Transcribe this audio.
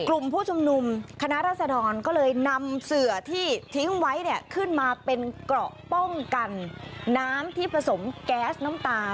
กลุ่มผู้ชุมนุมคณะรัศดรก็เลยนำเสือที่ทิ้งไว้เนี่ยขึ้นมาเป็นเกราะป้องกันน้ำที่ผสมแก๊สน้ำตา